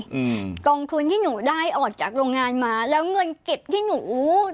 อืมกองทุนที่หนูได้ออกจากโรงงานมาแล้วเงินเก็บที่หนูอู้